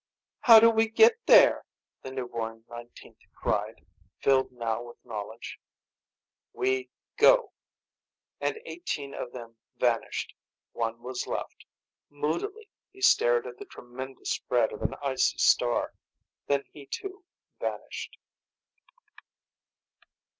"How do we get there?" the newborn nineteenth cried, filled now with knowledge. "We go." And eighteen of them vanished. One was left. Moodily he stared at the tremendous spread of an icy star, then he too vanished.